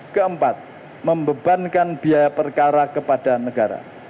keempat membebankan biaya perkara kepada negara